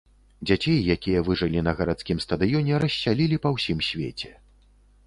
Дзяцей, якія выжылі на гарадскім стадыёне, рассялілі па ўсім свеце.